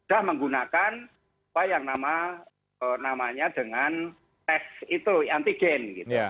sudah menggunakan apa yang namanya dengan tes itu antigen